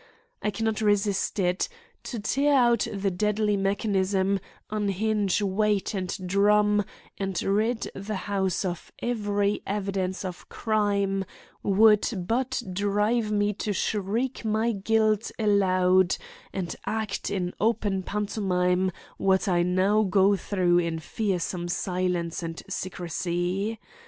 I can not resist it. To tear out the deadly mechanism, unhinge weight and drum and rid the house of every evidence of crime would but drive me to shriek my guilt aloud and act in open pantomime what I now go through in fearsome silence and secrecy.